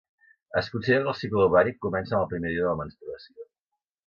Es considera que el cicle ovàric comença amb el primer dia de la menstruació.